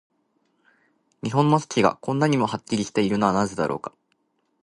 日本の四季が、こんなにもはっきりしているのはなぜだろうか。